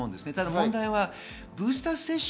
問題はブースター接種。